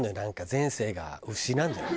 前世が牛なんじゃない？